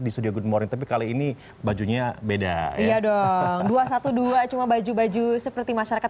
di studio good morning tapi kali ini bajunya beda iya dong dua ratus dua belas cuma baju baju seperti masyarakat